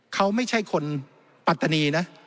เขาไม่ใช่คนปัตตานีนะ